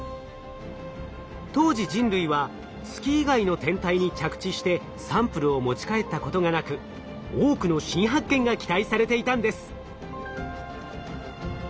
当時人類は月以外の天体に着地してサンプルを持ち帰ったことがなく多くの新発見が期待されていたんです。